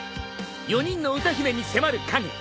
４人の歌姫に迫る影。